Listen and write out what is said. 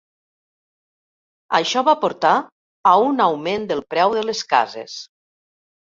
Això va portar a un augment dels preus de les cases.